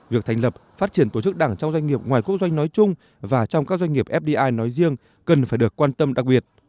việc thành lập phát triển tổ chức đảng trong doanh nghiệp ngoài quốc doanh nói chung và trong các doanh nghiệp fdi nói riêng cần phải được quan tâm đặc biệt